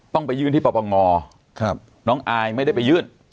ต้องไปยื่นที่ปปงน้องอายไม่ได้ไปยื่น